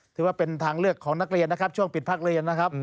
ถือว่าเป็นทางเลือกของนักเรียนนะครับช่วงปิดพักเรียนนะครับ